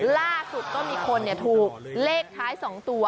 ล่าสุดก็มีคนถูกเลขท้าย๒ตัว